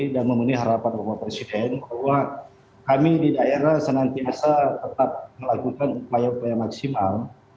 dan memenuhi harapan bapak presiden bahwa kami di daerah senantiasa tetap melakukan upaya upaya maksimal